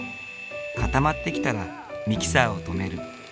固まってきたらミキサーを止める。